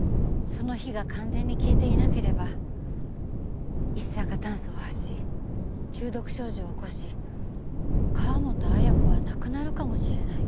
その火が完全に消えていなければ一酸化炭素を発し中毒症状を起こし川本綾子は亡くなるかもしれない。